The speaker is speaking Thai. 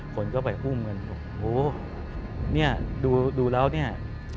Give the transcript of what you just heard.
คนก็ไปอุ้มกันบอกโหเนี่ยดูแล้วเนี่ย